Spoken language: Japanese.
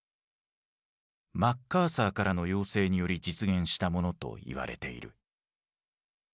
マッカーサーからの要請により実現したものといわれている。